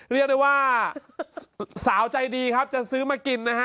เรียกได้ว่าสาวใจดีครับจะซื้อมากินนะฮะ